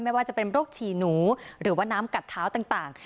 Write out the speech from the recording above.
ไม่ว่าจะเป็นโรคฉี่หนูหรือว่าน้ำกัดเท้าต่าง